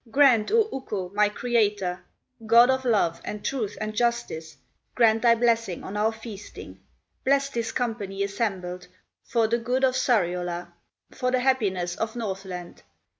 "Grant O Ukko, my Creator, God of love, and truth, and justice, Grant thy blessing on our feasting, Bless this company assembled, For the good of Sariola, For the happiness of Northland!